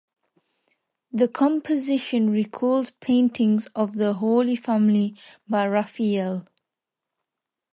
The composition recalls paintings of the Holy Family by Raphael.